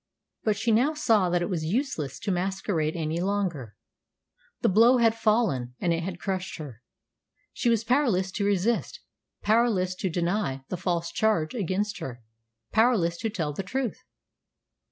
But she now saw that it was useless to masquerade any longer. The blow had fallen, and it had crushed her. She was powerless to resist, powerless to deny the false charge against her, powerless to tell the truth.